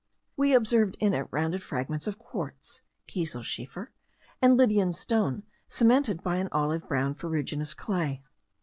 We observed in it rounded fragments of quartz (kieselschiefer), and Lydian stone, cemented by an olive brown ferruginous clay.